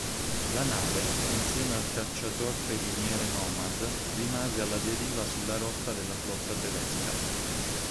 La nave, insieme al cacciatorpediniere Nomad, rimase alla deriva sulla rotta della flotta tedesca.